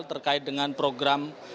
terkait dengan program